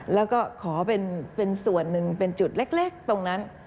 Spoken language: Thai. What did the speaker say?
แล้วก็ขอเป็นส่วนหนึ่งเป็นจุดเล็กตรงนั้น